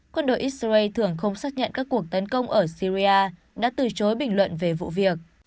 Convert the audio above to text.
quân đội israel thường không xác nhận các cuộc tấn công ở syria đã từ chối bình luận về vụ việc